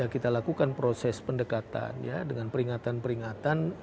kita lakukan proses pendekatan ya dengan peringatan peringatan